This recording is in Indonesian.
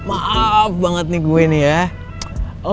maaf banget nih gue ini ya